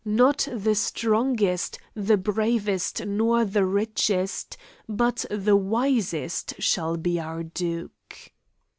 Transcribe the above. Not the strongest, the bravest, nor the richest, but the wisest shall be our duke!"